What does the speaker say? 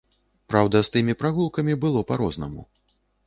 Праўда, з тымі прагулкамі было па-рознаму.